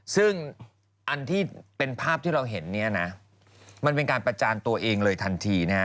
ซึ่งอันที่เป็นภาพที่เราเห็นเนี่ยนะมันเป็นการประจานตัวเองเลยทันทีนะฮะ